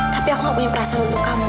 tapi aku gak punya perasaan untuk kamu